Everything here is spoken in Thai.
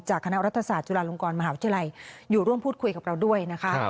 คณะรัฐศาสตร์จุฬาลงกรมหาวิทยาลัยอยู่ร่วมพูดคุยกับเราด้วยนะคะ